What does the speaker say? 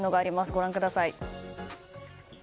ご覧ください。